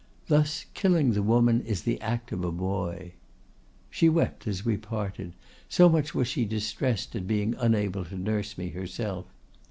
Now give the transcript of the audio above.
Thus, killing the woman is the act of a boy.—She wept as we parted, so much was she distressed at being unable to nurse me herself.